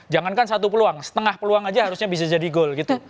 jangankan satu peluang setengah peluang aja harusnya bisa jadi goal gitu